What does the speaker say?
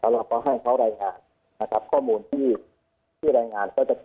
แล้วเราก็ให้เขาแรงงานนะครับข้อมูลที่ที่แรงงานเขาจะ